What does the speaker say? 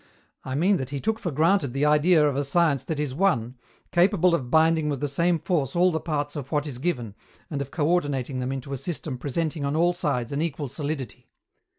I mean that he took for granted the idea of a science that is one, capable of binding with the same force all the parts of what is given, and of coördinating them into a system presenting on all sides an equal solidity.